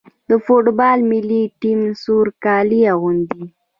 د فوټبال ملي ټیم سور کالي اغوندي.